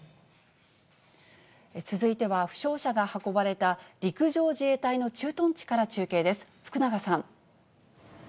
続いては、負傷者が運ばれた、陸上自衛隊の駐屯地から中継です。